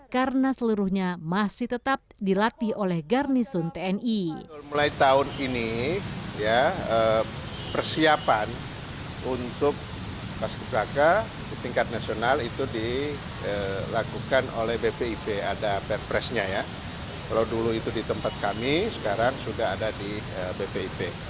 karena seluruhnya masih tetap dilatih oleh badan pembinaan ideologi pancasila atau bpip